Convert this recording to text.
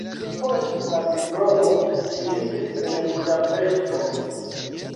Post la diplomo li vivis en Budapeŝto.